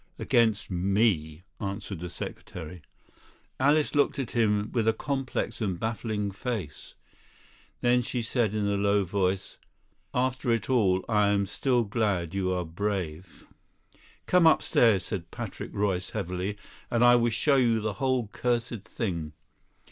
"Against me," answered the secretary. Alice looked at him with a complex and baffling face; then she said in a low voice: "After it all, I am still glad you are brave." "Come upstairs," said Patrick Royce heavily, "and I will show you the whole cursed thing."